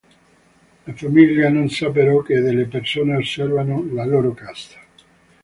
La famiglia non sa però che delle persone osservano la loro casa.